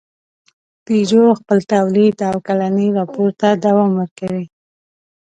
پيژو خپل تولید او کلني راپور ته دوام ورکوي.